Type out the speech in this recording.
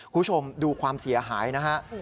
คุณผู้ชมดูความเสียหายนะฮะ